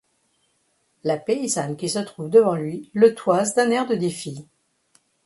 La paysanne qui se trouve devant lui le toise d’un air de défi.